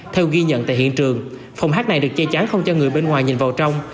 theo ghi nhận tại hiện trường phòng hát này được che chắn không cho người bên ngoài nhìn vào trong